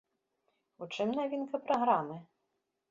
У чым навінка праграмы?